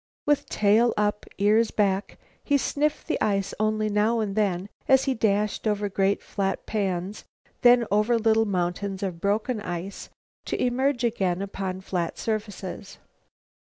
With tail up, ears back, he sniffed the ice only now and then as he dashed over great, flat pans, then over little mountains of broken ice, to emerge again upon flat surfaces.